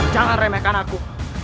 jangan remehkan aku